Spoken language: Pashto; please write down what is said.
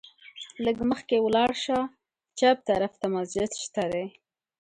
لږ مخکې ولاړ شه، چپ طرف ته مسجد شته دی.